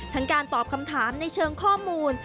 การตอบคำถามในเชิงข้อมูล